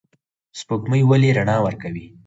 سپوږمۍ ولې رڼا ورکوي؟